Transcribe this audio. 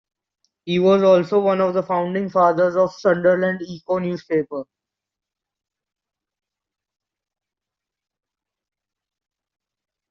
He was also one of the founding fathers of the "Sunderland Echo" newspaper.